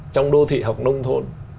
trong đô thị học nông thôn